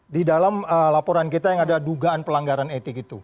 di dalam laporan kita yang ada dugaan pelanggaran etik itu